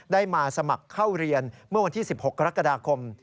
ได้มาสมัครเข้าเรียนเมื่อวันที่๑๖กรกฎาคม